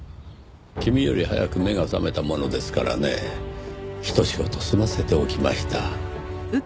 君より早く目が覚めたものですからねぇひと仕事済ませておきました。